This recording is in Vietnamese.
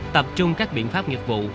tập trung các biện pháp nghiệp vụ